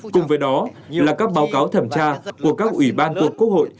cùng với đó là các báo cáo thẩm tra của các ủy ban thuộc quốc hội